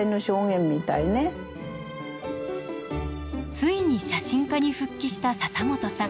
ついに写真家に復帰した笹本さん。